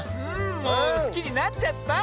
もうすきになっちゃった！